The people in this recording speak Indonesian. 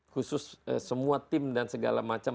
khusus semua tim dan segala macam